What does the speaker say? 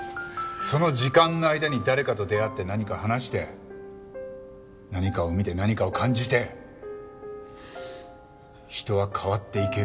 その時間の間に誰かと出会って何か話して何かを見て何かを感じて人は変わっていけるんだと俺は思う。